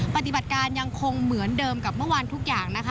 ปฏิบัติการยังคงเหมือนเดิมกับเมื่อวานทุกอย่างนะคะ